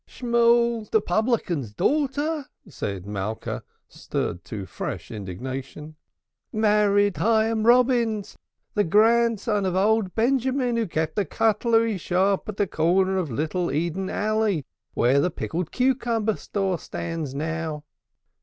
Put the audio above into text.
"Shmool the publican's daughter," said Malka, stirred to fresh indignation, "married Hyam Robins, the grandson of old Benjamin, who kept the cutlery shop at the corner of Little Eden Alley, there where the pickled cucumber store stands now."